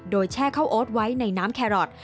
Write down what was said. โดยแช่ข้าวโอ๊ตไว้ในน้ำแครอท